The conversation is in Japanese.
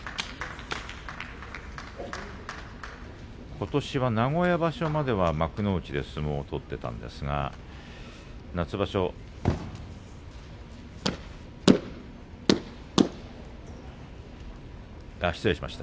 ことしは名古屋場所までは幕内で相撲を取っていたんですが夏場所失礼しました。